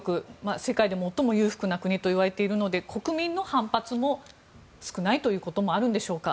世界で最も裕福な国ともいわれているので国民の反発も少ないということもあるんでしょうか。